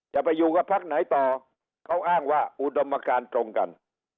จะไปอยู่กับพักไหนต่อเขาอ้างว่าอุดมการตรงกัน